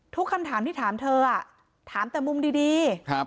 ทุกคำถามที่ถามเธออ่ะถามแต่มุมดี